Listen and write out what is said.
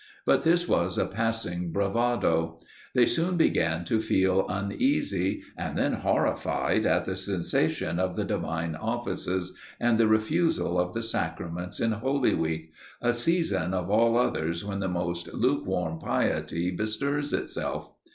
But this was a passing bravado. They soon began to feel uneasy, and then horrified at the cessation of the divine offices, and the refusal of the sacraments in Holy Week, a season of all others when the most lukewarm piety bestirs itself.